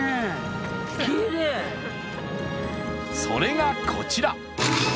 それがこちら。